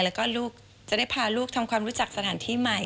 แล้วก็ลูกจะได้พาลูกทำความรู้จักสถานที่ใหม่